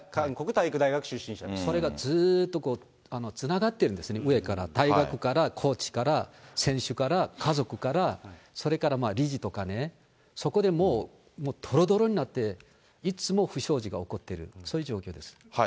そうですね、それがずーっとつながってるんですね、上から、大学から、コーチから選手から家族から、それから理事とかね、そこでもうどろどろになっていつも不祥事が起こってる、そういう状況です。